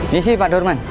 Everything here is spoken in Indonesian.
ngisi pak dorman